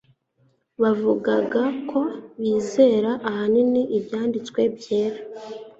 Bavugaga ko bizera ahanini Ibyanditswe byera,